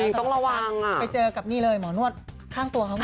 จริงต้องระวังอ่ะไปเจอกับนี่เลยหมอนวดข้างตัวเขาด้วย